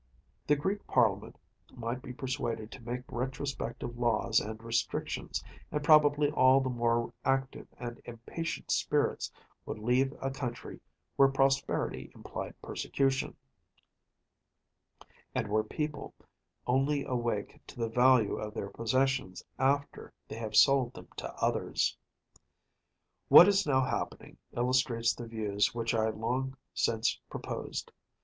The Greek Parliament might be persuaded to make retrospective laws and restrictions, and probably all the more active and impatient spirits would leave a country where prosperity implied persecution, and where people only awake to the value of their possessions after they have sold them to others. What is now happening illustrates the views which I long since proposed.